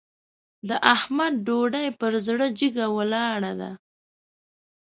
د احمد ډوډۍ پر زړه جګه ولاړه ده.